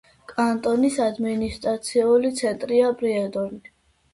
კანტონის ადმინისტრაციული ცენტრია პრიედორი.